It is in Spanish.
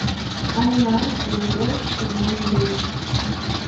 Además los dos son bailarines.